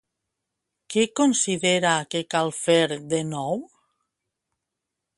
Què considera que cal fer de nou?